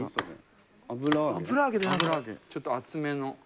ちょっと厚めの。